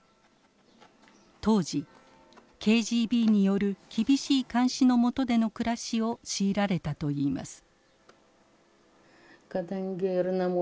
当時ＫＧＢによる厳しい監視の下での暮らしを強いられたといいます。